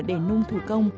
để nung thủ công